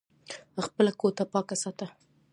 خپله کوټه پاکه ساته !